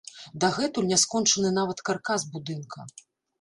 Дагэтуль няскончаны нават каркас будынка.